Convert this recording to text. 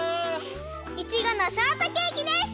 いちごのショートケーキです！